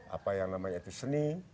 apa yang namanya itu seni